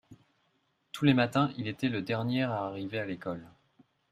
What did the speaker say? tous les matins il était le dernier à arriver à l'école.